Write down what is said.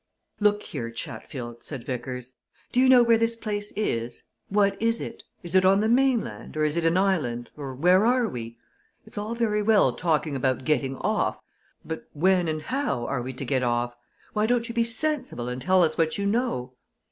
"Look here, Chatfield," said Vickers. "Do you know where this place is? What is it? Is it on the mainland, or is it an island, or where are we? It's all very well talking about getting off, but when and how are we to get off? Why don't you be sensible and tell us what you know?"